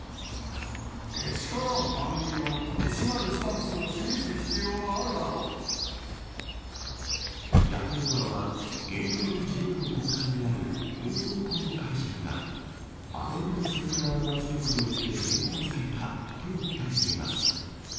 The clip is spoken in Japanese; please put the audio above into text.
けしからん番組は取り締まる野党側は、言論の自由の根幹である放送法の解釈が、安倍元総理側の圧力によって変更されたと訴えています。